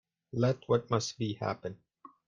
Let what must be, happen.